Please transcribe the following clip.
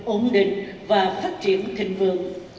ổn định và phát triển thịnh vượng